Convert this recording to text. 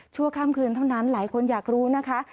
ข้ามคืนเท่านั้นหลายคนอยากรู้นะคะ